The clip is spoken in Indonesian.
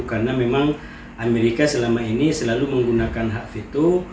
karena memang amerika selama ini selalu menggunakan hak fitur